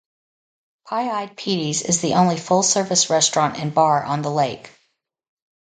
Pie-Eyed Petey's is the only full-service restaurant and bar on the lake.